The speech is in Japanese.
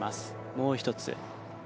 もう１つ。